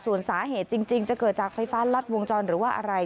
ส่วนสาเหตุจริงจะเกิดจากไฟฟ้ารัดวงจรหรือว่าอะไร